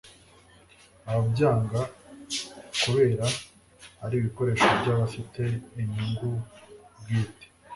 ababyanga kubera ari ibikoresho by'abafite inyungu bwite